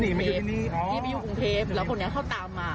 ผู้หญิงกูคงพบแล้วคนเนี่ยเขาตามมา